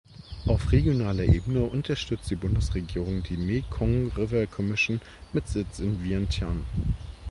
Auf regionaler Ebene unterstützt die Bundesregierung die "Mekong River Commission" mit Sitz in Vientiane.